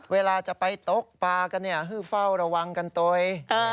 เวลาจะไปตกปากันเนี่ยเฟ้าระวังกันต่อย